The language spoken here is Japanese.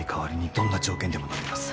どんな条件でものみます